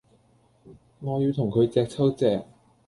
我要同佢隻揪隻